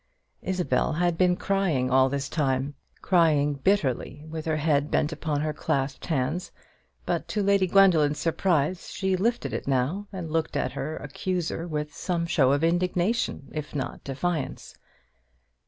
Isabel had been crying all this time, crying bitterly, with her head bent upon her clasped hands; but to Lady Gwendoline's surprise she lifted it now, and looked at her accuser with some show of indignation, if not defiance.